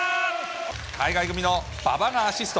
海外組の馬場がアシスト。